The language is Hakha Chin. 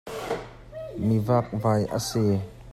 Mi vakvai a si.